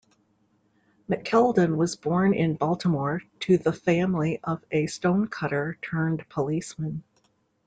McKeldin was born in Baltimore to the family of a stonecutter turned policeman.